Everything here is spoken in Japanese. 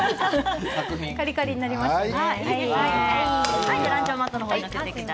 カリカリになりましたね。